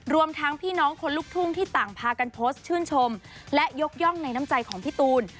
รวมทั้งพี่น้องคนลูกทุ่งที่ต่างพากันโพสต์ชื่นชมและยกย่องในน้ำใจของพี่ตูน